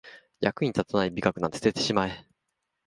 役に立たない美学なんか捨ててしまえ